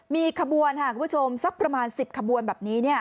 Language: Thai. มีขบวนค่ะคุณผู้ชมสักประมาณ๑๐ขบวนแบบนี้